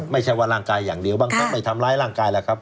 ไม่ใช่ว่าร่างกายอย่างเดียวบางครั้งไม่ทำร้ายร่างกายแล้วครับ